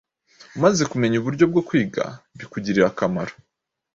Umaze kumenya uburyo bwo kwiga bukugirira akamaro